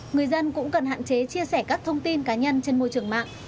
người dân cũng cần hạn chế chia sẻ các thông tin cá nhân trên môi trường mạng